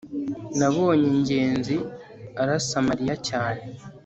nabonye ngenzi arasa mariya cyane